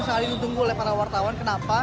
saling ditunggu oleh para wartawan kenapa